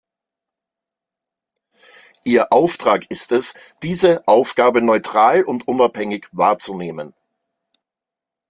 Ihr Auftrag ist es, diese Aufgabe neutral und unabhängig wahrzunehmen.